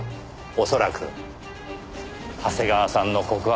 恐らく長谷川さんの告白本の原稿を。